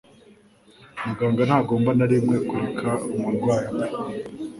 Muganga ntagomba na rimwe kureka umurwayi apfa.